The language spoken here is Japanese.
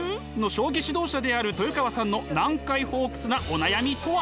将棋指導者である豊川さんの難解ホークスなお悩みとは？